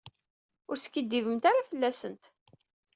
Ur skiddibemt ara fell-asent.